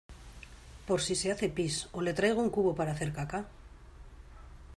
por si se hace pis o le traigo un cubo para hacer caca?